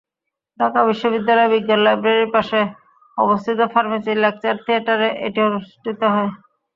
ঢাকা বিশ্ববিদ্যালয় বিজ্ঞান লাইব্রেরির পাশে অবস্থিত ফার্মেসি লেকচার থিয়েটারে এটি অনুষ্ঠিত হয়।